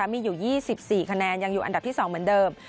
มีอยู่๒๔คะแนนยังอยู่อันดับที่๒เหมือนเดิม